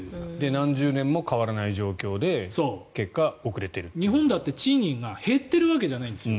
何十年も変わらない状況で日本だって賃金が減っているわけじゃないんですよ。